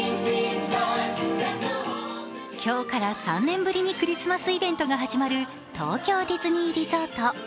今日から３年ぶりにクリスマスイベントが始まる東京ディズニーリゾート。